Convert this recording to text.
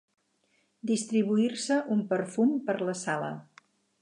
Distribuir-se un perfum per la sala.